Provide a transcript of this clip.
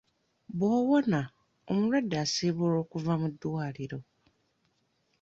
"Bw'awona, omulwadde asiibulwa okuva mu ddwaliro."